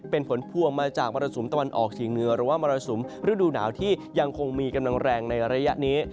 เป็นผลพวงมาจากมรสุมตะวันออกเฉียงเหนือหรือว่ามรสุมฤดูหนาวที่ยังคงมีกำลังแรงในระยะนี้